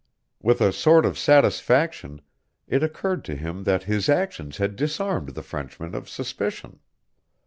With a sort of satisfaction it occurred to him that his actions had disarmed the Frenchman of suspicion.